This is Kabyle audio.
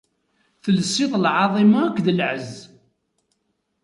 Telsiḍ lɛaḍima akked lɛezz.